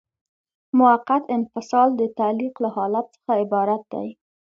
موقت انفصال د تعلیق له حالت څخه عبارت دی.